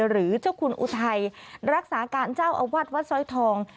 หรือเจ้าคุณอุทัยรักษาการเจ้าอาวาสวัดสร้อยทอง